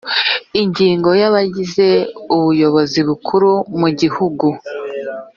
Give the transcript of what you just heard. ingingo ya abagize ubuyobozi bukuru bwigihugu